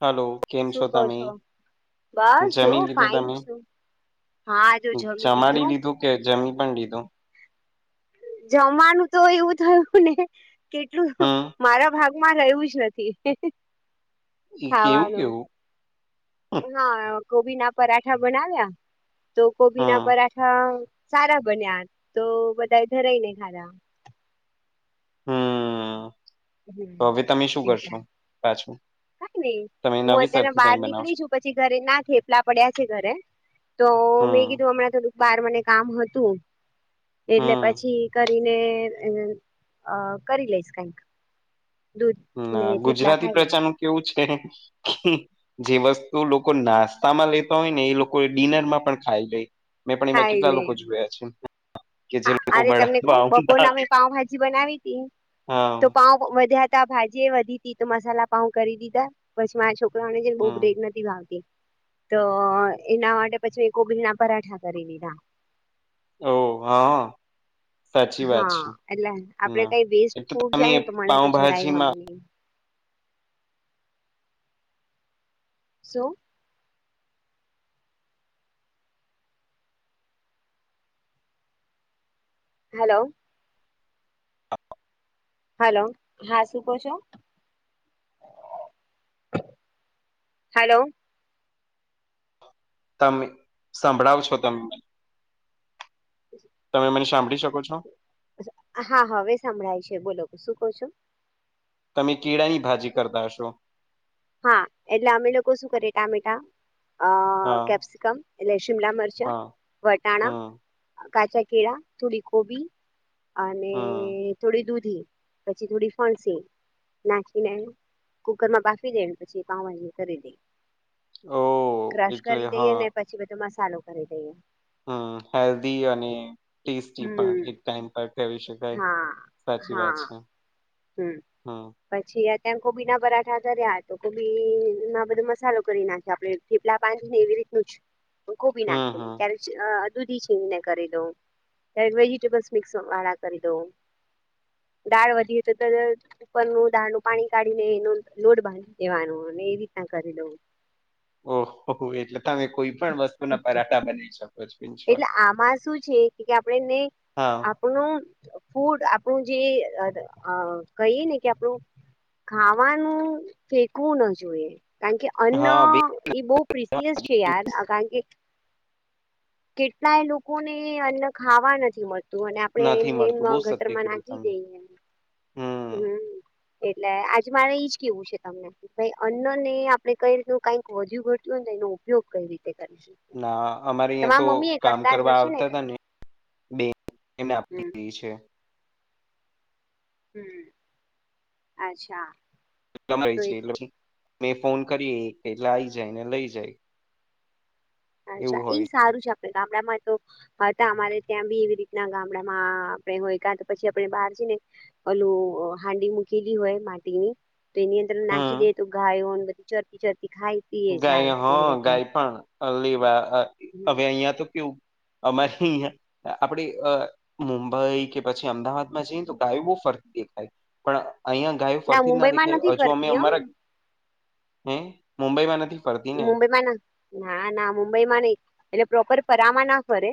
હાલો કેમ શું છો કહ તમે બસ જો જમીન લીધો ફાઈન તમે. છું હા જો જમી ચમાડી લીધું કે જમી પણ લીધું જમવાનું તો એવું થયું ને કેટલું હમ મારા ભાગ. માં લું જ નથી. એ કેવું ખાવાનું કેવું. હા ગબી ના પરાઠા બનાવ્યા. તો કોબી ના હમ પરાઠા સારા બન્યા તો બધા ધરાય ને ખાારા. હમ હ તો હવે તમે શું એ કરશો પાછું થ ને તમે હું નવી અત્ય્યારે સરથી બહાર કઈ બનાવશો નીકળી છું. પછી ઘરે ના થેપલા પડ્યા છે ઘરે. તો મેં હમ કીધું હમણાં થોડુંક બાર મને કામ હતું. એટલે હમ પછી કરીને કરી લઈશ કંઈક. ના ગુજરાતી ખાઈ લઈશ. પ્રજા નું કેવું છે. જે વસ્તુ લોકો નાસ્તા માં લેતા હોય ને એ લોકો ડિનર માં પણ ખાઈ લે. મેપણી માં ખાઈ કેટલા લે. લોકો જોયા છે. કે જે હા લોકો અરે વડા તમને કો પાઉ બપોરના મેં પાવભાજી બનાવી હતી હા તો પાઉ. વધ્યા તા ભાજી વધી તી તો મસાલા પાઉ કરી દીધા પછ મા છો. ણે જેને બહુ બ્રેક હમ નથી ભાગતી. તો એના માટે પછી મે કોબલી ના પરાઠા કરી લીધા. ઓ હા. સાચી [unintelligible] વાત હા છે એટલે આપડે ના કઈ વેસ્ટ એ તો ફૂટ તમે જાયને તો મને તો જરાય વામે પાઉભાજીમાં નહી. સો. હલો હેલો હા શું કહો છો હલો તમે સંભળાવ છો તમે તમે મને સાંભળી શકો છો. હા હા હવે સાંભળાય છે બોલો શું ક છો. તમે કીળા ની ભાજી કરતા હશો. હા એટલે અમે લોકો શું કરી ટામેટા. હા કેપ્સિકમ એ શિમલા મરચ હા વટાણા. હમ કાચા કેળા થોડી કોબી અને. હમ થોડી દૂધી પછી થોડી ફણસી નાખીને કુકરમાં બા. આપી દે પછી કામ કરી દે ઓ ક્રશ એટલે કરી દઈએ હા ને પછી બધો મસાલો કરી દઈએ હમ હેલ્ધ અને ટેસ્ટી પણ હમ એક ટાઈમ પર કવી શકાય હા સાચી વાત હા છે હમ પછી ત્યાં કોબી ના પરાઠા કર્યા તો કોબીમાં બધો મસાલો કરી નાખી આપડે ીપલા બાંધી ને એવી રીતનું કોબી હમ હમ નાખીને્યારે દૂધી છીણીને કરી દઉ વેજીિટેબલ્સ મિક્સ વાળા કરી દઉ દાળ વધી તો ઉપરનું દાળનું પાણી કાઢીને એનું લોડ બાંધી દેવાનું અને એ રીતના કરી લવું ઓહોહ એટલે તમે કોઈ પણ વસ્તુ ના પરાઠા બનાવી શકો છો ઇન શોર્ટ એટલે આમાં શું છે કે આપણેને હા આપણું ફૂડ આપણું જે કહીએ ને કે આપણું ખાવાનું ફેકવું ના જોઈએ કારણ કે અન્ન હા વે- એ બહ પ્રસીયસ છે યાર કારણ કે કેટલાય લોકોને અન્ન ખાવા નથી મળત ત અને આપડે નથી એમને એમ મળતું બહુ સત્ય ગટરમાં કીધું નાખી તમે જઈએ હમ એટલે આજ મારે ઈજ કેવું છે તમને ભાઈ અન્ન ને આપડે કઈ રીતનું કઈક વધુ ઘટતું હો એનો ઉપયોગ કઈ રીતે કરીશું ના અમારે અહં તો કામ કરવા હશે આવતા કે હતા ને બેને હમ આપી છે હમ અચ્છા તો એ ટલે મે ફોન કરીએ એટલે આઈ જાય ને લઈ જાય એવું અચ્છા એ હોય સારું છે આપડે ગામડામાં તો હતા અમારે ત્યાં બી એવી રીતના ગામડામાં આપણે હોય ક તો પછી આપણે બહાર જ ને અલું હાંડી મૂકેલી હોય માટી ની તો એની અંદર નાખી દે હમ તો ગાયો બધી ચરતી ચરતી ખાય પીએ ગાય જાય એવી હા રીતે ગાય પણ લેવા હવે અહિયાં તો કેવું અમે હ આપણે મુંબઈ કે પછી અમદાવાદમાં જઈએ તો ગાયું બહુ ફરતી દેખાય પણ અહીિયાયા ગાયો ફરતી જ ના મુંબઈમાં દેખાય નથી હજુ અમે ફરતી હ અમારા હ મુંબઈમાં નથી ફરતા મુંબઈમાં ના ના ના મુંબઈ માં નઈ એટલે પ્રોકર ફરામાં ના ફરે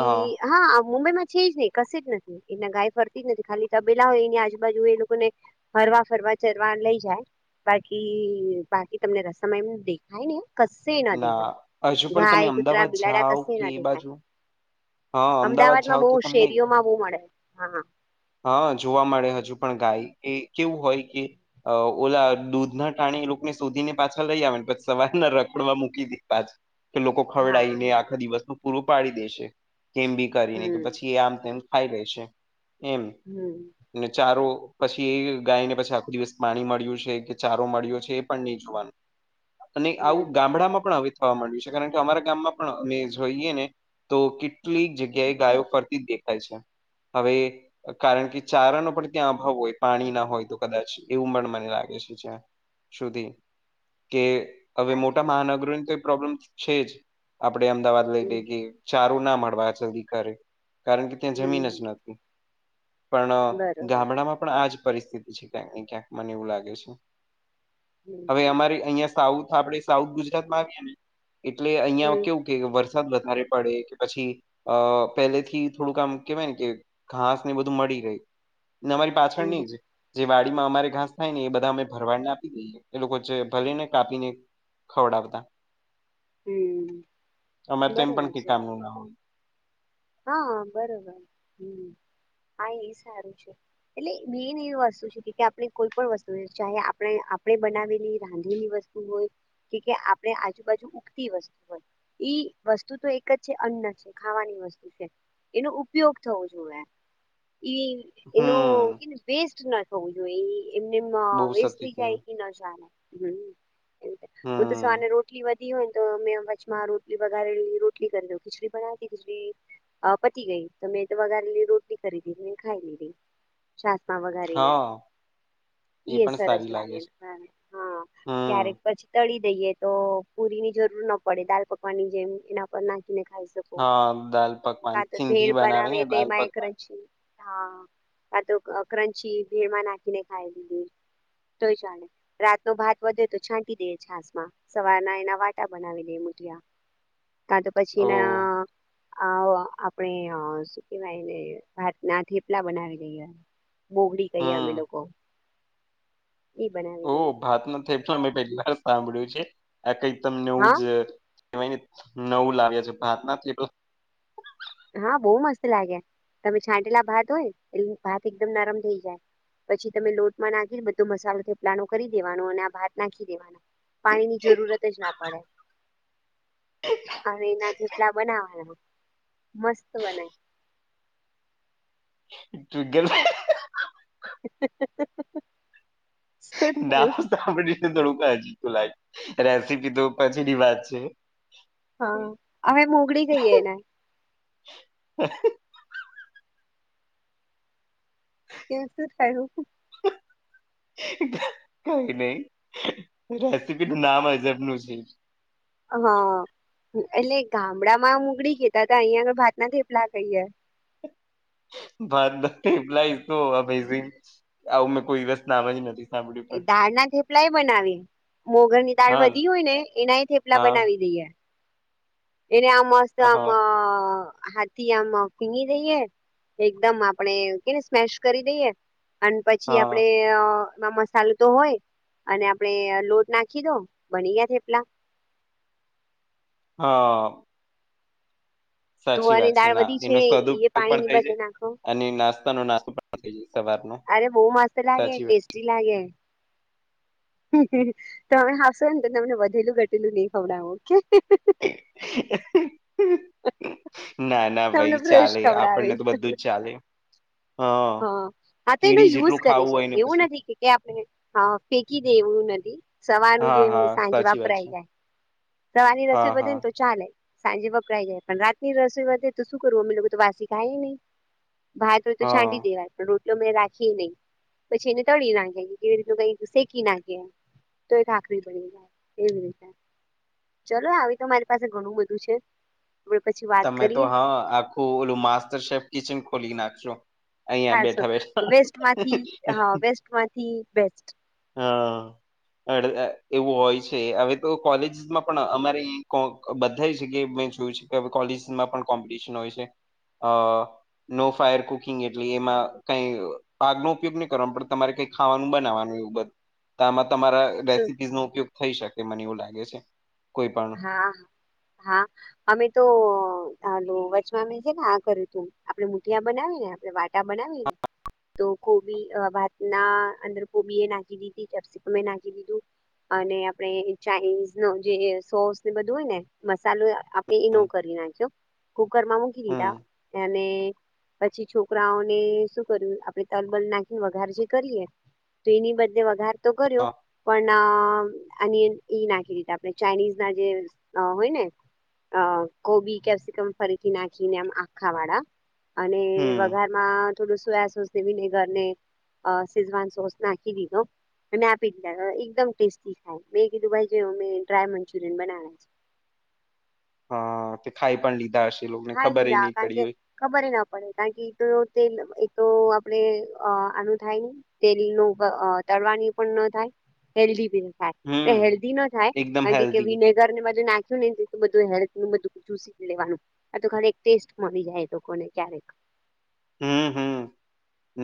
હા હા મુંબઈમાં છે જ ને કશ જ નથી એના ગાય ફરતી જ નથી ખાલી તબેલા હોય એની આજુબાજુ હો એ લોકો ને ફરવા ફરવા ચરવા લઈ જાય બાકી બાકી તમને રસમ એમ દેખાય નેમ કસ ન દેખાય ના હજુ પણ તમે ગાય કુતરાા અમદાવાદ બિલાડડા જાઓ કસે ન કે એ દેખાય બાજુ હા અમદાવાદ અમદાવાદમાં જાવ બહુ તો તમને શેરીઓમાં આવુ મળે હા હા જોવા મળે હજુ પણ ગાય એ કેવું હોય કે ઓલા દૂધ ના ટાણી એ લોકોને શોધી ને પાછા લઈ આવે ને પછ સવાર ના રખડવા મૂકી દ પાછ કે લોકો હા ખવડીને આખા દિવસ ન પૂરું પાડી દેશે કેમ બી કરીને કે હમ પછી એ આમ તેમ ખાઈ લે છે એમ. હમ એટલે ચારો પછી એ ગાયને પછી આખો દિવસ પાણી મળ્યું છે કે ચારો મળ્યો છે એ પણ નહી જોવાનું. [inaudible] અને આવું ગામડામાં પણ હવે થવા માંડ્યું છે કારણ કે અમારા ગામમાં પણ અમે જોઈએ ને તો કેટલીક જગ્યાએ ગાયો ફરતી જ દેખાય છે હવે કારણ કે ચારાનો પણ ત્યાં અભાવ હોય પાણી ના હોય તો કદાચ એવું પણ મને લાગે છે જ્યાં સુધી કે હવે મોટા અચ્છા મહાનગરોની તો એ પ્રોબ્લેમ છે જ આપડણે અમદાવાદ લઈને હમ કે ચારું ના મળવા આ જલ્દી કરે કારણ કે ત્યાં હમ જમીન જ હમ નથી. પણ અહ બરોબર ગામડામાં પણ આજ પરિસ્થિતિ છે ક્યાંક ને ક્યાંક મને એવું લાગે છે. હમ હવે અમારે અહિયાં સાઉથ આપડે સાઉથ ગુજરાત માં આવ્યા ને એટલે અહિયાં હમ કેવું કે વરસાદ વધારે પડે કે પછી અહ પહેલેથી થોડુંક આમ કેવાય ને કે ઘાસ હું બધું મળી રહી ને અમારી પાછળ હમ હમ નીજ જે વાડી માં અમારે ઘાસ થાય ને એ બધા અમે ભરવાડને આપી દઈએ એ લોકો જે ભલે ને કાપીને ખવડાવતા. હમ અમારે તો એમ પણ બરોબર કઈ છે કામનું ના હોય. હા, બરોબર હમ્મ. આ ઈ સારું છે. એટલે મેન એવી વસ્તુ છે કે આપડે કોઈ પણણ વસ્તુ ચા આપડે આપડે બનાવેલી રાંધેલી વસ તું હોય કે આપડે આજુબાજુ ઉગતી વસ્તુ હોય ઈ વસ્તુ તો એક જ છે અન્ન છે ખાવાની વસ છે. એનો ઉપયોગ થવો જોઈએ ઈ એનો હમ ઈ વેસ્ટ ના તો જોઈએ એમને બહુ ના સત્ય વેસ્ટ થઈ કહેવાય જાય કે ના [inaudible] એવી રીતે હું તો સવાર હમ ને રોટ ટલી વધી હોય ને તો મેં વચમાં રટલી વગારે રોટલી કરી દઉં. ખીચડી બનાવી ખીચડી અહ પતી ગઈ તો મેં તો વધારેલી રોટલી કરીદી મેં ખાઈ લીધી. છાસમાં વગારી ને. હા એ ઈએ પણ સરસ સારી લાગે છે હા હા હમ ક્યારેક પછી તળી દઈએ તો પુરી ની જરૂર ના પડે દાલ પકવાન ની જેમ એના પર નાખીને ખાઈ શક હા, દાલ પકવાન હા, તો સિંધી ભેધ બનાવે ને તેમાં દાલ પકવાન માયક છે. હા, આ તો અહ ક્રંચી ભેળમાં નાખીને ખાઈ લીધી તો એ ચાલે. રાતનો ભાત વધે તો છાંટી દે છાસ માં સવારના એના વાટા બનાવી દે મુઠિયા. કા તો પછી ઓ ના આવા આપડે હા શું કેવાય એને ભાત ના થેપલા બનાવી દઈએ. મોગડી કહીએ અમે હમ લોકો એ ઓ બનાવી દઈ. ભાત ના થે પણ મેં પેહલી વાર સાંભળ્યું છે આ કઈક તમનેવું હા જ કઈ નવું લાગે છે ભાત ના થેપલા હા, બહુ મસ્ત લાગે. તમે છાંટેલા ભાત હોય એ ભાત એકદમ નરમ થઇ જાય. પછી તમે લોટ માં નાખીને બધો મસાલો થેપલાનો કરી દેવાનો અને આ ભાત નાખી દેવાના. પાણીની જરૂરત જ ના પડે અને એના થપલા બનાવાના. મસ્ત બને. તું ગલ શું ના થયું આપડીને થોડુંક જતું લ રેસીપી તો પછીની વાત છે. હા, હવે મોગડી ગઈ યેને. હ કેસ [inaudible] કઈ નહી રેસીપી નું નામ અજબ નું છે. હા, એટલે ગામડામાં મુગડી કહેતા તા અહિયાંયા આગળ ભાત ના થેપલા કહીએ. ભાત ના થેપલા તો [inaudible] આવું મેં કોઈ દિવસ નામ જ નથી સાંભળ્યું એ દાળ ના થેપલાય બનાવી મોગર ની દાળ પણ વધી હોય ને એનાય હા થેપલા હા બનાવી દઈએ એને આમ મસ્ત આમ હા હા તિયામાં ફીંગી દઈએ એકદમ આપણેે કેને સ્મેશ કરી દઈએ આન પછી હા આપડે અહ ના મસાલો તો હોય અને આપડે એ લોટ નાખી દો બની ગયા થેપલા. હા. સાચી તુંવાની વાત છે દાળ ના વધી એનો સદુપયોગ એ પણ પાણીની થાય બધે જાય નાખો અને નાસ્તો નું [unintelligible] સવાર નું અરે બહુ મસ્ત લાગે ટેસ્ટી લાગે તમેં આવશે ને તો તમને વધેલું ઘટેલું નહી ખવડાવું ઓકે ના ના ભાઈ તમને ફ્રેશ ચાલે આપણને ખવડાવીશ તો બધું જ ચાલે હા હ હા તો એનો કીડી યુઝ જેટલું કરીએ ખાવું છે હોય ને એવું પછી નથી કે આપણે હા ફેંકી દેવું નથી સવારનું જે હા હોય હા સાંજે સાચી વાત વાપરાય છે જાય સવાર ની રસોઈ હા વધે હા ને તો ચાલે સાંજે વપરાઈ જાય પણ રાતની રસોઈ વધે તો શું કરવું અમે લોકો તો વાસી ખાય ની ભાત હોય તો હા છાંડી દેવાય પણ રોટલો અમેં રાખી નહી પછી એને તળી નાખ્યે કેવી રીતનું કઈ શેકી નાખ્યે તો એ ખાખરી બની જાય એવી રીતે ચલો આવી તો મારી પાસે ઘણું બધું છે આપણે પછી વાત તમે તો કરીએ હા આખું ઓલું માસ્ટર શેફ કિચન ખોલી નાખયો થા સો વેસ્ટમાંથી હા વેસ્ટમાંથી બેસ્ટ હા એવું હોય છે હવે તો કોલેજસમાં પણ અમારે કોં બધા જગ્યા મેં જોયું છે કે કોલેજમાં પણ કોમ્પિટિશન હોય છે અ નો ફાયર કુકિંગ એટલે એમાં કઈ આગનો ઉપયોગ નહી કરવા પડ તમારે કઈ ખાવાનું બનાવાનું એવું બ તો આમાં તમારા શું રેસીપીઝ નો ઉપયોગ થઈ શકે મને એવું લાગે છે કોઈ પણ હા હા અમે તો હાલો વચમાં મેં છે ને આ કર્યું તું આપડે મુઠિયા બનાવી ને આપડે વા બનાવીને તો કોબી ભાત ના અંદર કોબી એ નાખી દીધીપસી મેં નાખી દીધું અને આપડે ચાઇનીઝ નો જે સોસ ને બધું હોય ને મસલુ આ એ નો હમ કરી નાખ્યો કુકર માં મૂકી હમ દીધા અને પછી છોકરાઓને શું કર્યું આપડે તલબલ નાખીને વગાર જે કરીએ તો એની બદલે વઘાર તો કર્યો હા પણ આ એ નાખી દીધા આપણે ચાઇનીઝ ના જે અ હોય ને અ કોબી કેપ્સિકમ ફરીથી નાખીને આમ આખા વાળા અને હમ વઘારમાં થોડું સોયા સોસવી ન ઘર ને અ સિઝવાન સોસ નાખી દીધો અને આપી દીધા એકદમ ટેસ્ટી થાય મેં કીધું ભાઈ જો મે ડ્રાય મંચુરિયન બનાવ્યા છે હા તે ખાઈ પણ લીધા હશે લોકોને ખાઈ ખબર લીધા નહી કારણ કે પડી હોય ખબર ના પડે કારણ કે એ તો તેલ એ તો આપડે આનું થાય ની તેલી નો પ અ તળવાની પણ ન થાય હેલ્ધી થાય તે હમ હેલ્દી ન થાય એકદમ કારણ કે હેલ્ધી વિને ઘર ને બધું નાખ્યું ને બધું હેલ્થ બધું ચુ લેવાનું આ તો ખાલી એક ટેસ્ટ મળી જાય લોકોને ક્યારેક હમ હમ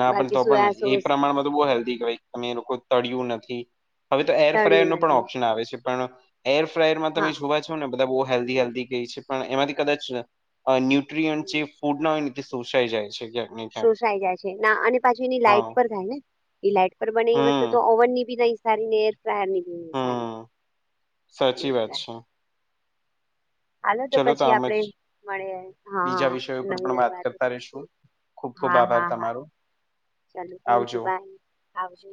ના પણ તો બાકી પણ સોયા એ સોસ પ્રમાણમાં તો બહુ હેલ્ધી કહેવાય તમે એ લોકો તળય્યું નથી હવે તો એર ફ્રાયર તળ્યું નો પણ નથી ઓપ્શન આવે છે પણ એર ફ્રાયરમાં હા તમે જોવા જ પણ ને બધા બો હેલ્દી હેડલી કેય છે પણ એમાંથી કદાચ ન્યુટ્રીયન જે ફૂડ ન હોય તે સોસાઈ જાય છે કયા શોષાઈ જાય છે, ના અને પાછી એની લાઈટ હા પર થાય ને ઈ લાઈટ પર બને એવી વસ્તુ હમ તો ઓવન ની બી નઈ સારી ને એર ની સારી હમ સાચી વાત છે. હાલો ચલો તો પછી આમ આપડે જ મળે હા બીજા વિષયો ઉપર નવી પણ નવી વાત વાતો કરતા રેશું કરશું ખુબ ખુબ હા આભાર હા હા તમારો ચાલો થેન્ક આવજો. યુ બાય આવજો